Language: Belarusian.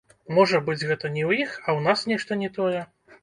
Можа быць, гэта не ў іх, а ў нас нешта не тое?